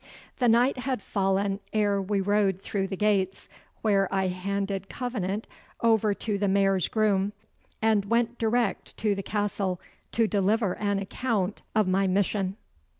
The night had fallen ere we rode through the gates, where I handed Covenant over to the Mayor's groom, and went direct to the castle to deliver an account of my mission.